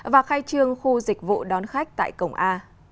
và khai trương khu dịch vụ đón khách tại cổng a